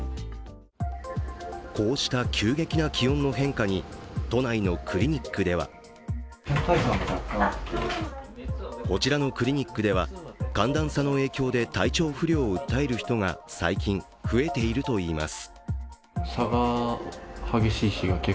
こうした急激な気温の変化に都内のクリニックではこちらのクリニックでは、寒暖差の影響で体調不良を訴える人が最近、増えているといいます。